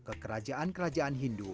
ke kerajaan kerajaan hindu